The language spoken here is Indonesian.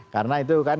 karena itu kan